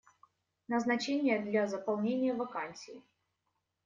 Назначения для заполнения вакансий.